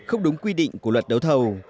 không đúng quy định của luật đấu thầu